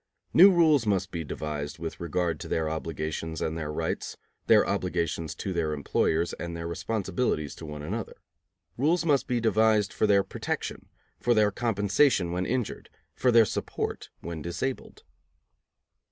New rules must be devised with regard to their obligations and their rights, their obligations to their employers and their responsibilities to one another. Rules must be devised for their protection, for their compensation when injured, for their support when disabled.